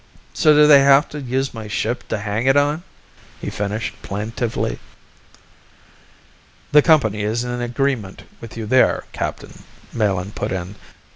"So do they have to use my ship to hang it on?" he finished plaintively. "The company is in agreement with you there, captain," Melin put in.